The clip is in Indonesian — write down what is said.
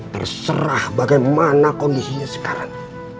terserah bagaimana kondisinya sekarang